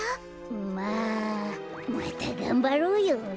まあまたがんばろうよね？